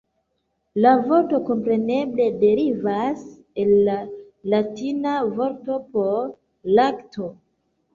La vorto kompreneble derivas el la latina vorto por lakto.